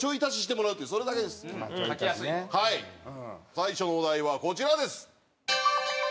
最初のお題はこちらです。